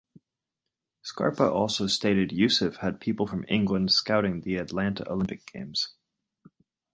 Scarpa also stated Yousef had people from England scouting the Atlanta Olympic Games.